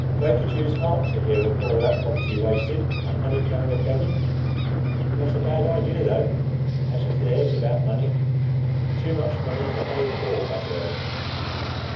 Break a Jew's heart to hear of all that property wasted, and money going a begging. Not a bad idea, though, that of theirs about money. Too much money's a howwid baw, by Jove!"